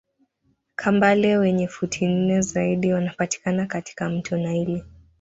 Kambale wenye futi nne zaidi wanapatikana katika mto naili